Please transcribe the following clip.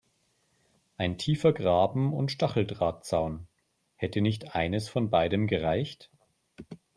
Ein tiefer Graben und Stacheldrahtzaun – hätte nicht eines von beidem gereicht?